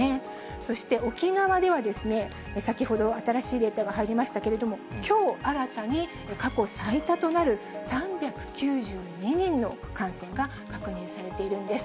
そして沖縄では、先ほど新しいデータが入りましたけれども、きょう新たに過去最多となる３９２人の感染が確認されているんです。